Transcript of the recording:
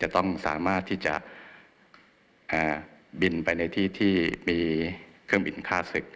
จะต้องสามารถที่จะบินไปในที่ที่มีเครื่องบินฆ่าศึก